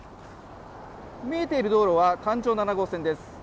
見えている道路は環状７号線です。